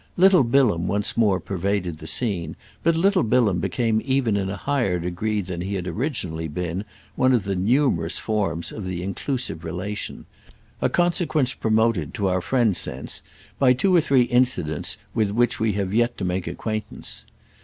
Little Bilham once more pervaded the scene, but little Bilham became even in a higher degree than he had originally been one of the numerous forms of the inclusive relation; a consequence promoted, to our friend's sense, by two or three incidents with which we have yet to make acquaintance.